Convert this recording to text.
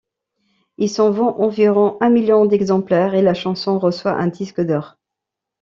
Il s'en vend environ un million d'exemplaires, et la chanson reçoit un disque d'or.